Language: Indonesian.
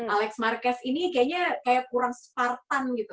alex marquez ini kayaknya kayak kurang spartan gitu